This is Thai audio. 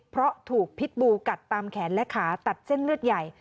เพราะถูกพิษบูกัดตามแขนและขาตัดเส้นเลือดใหญ่